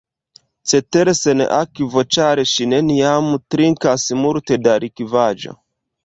Cetere sen akvo, ĉar ŝi neniam trinkas multe da likvaĵo.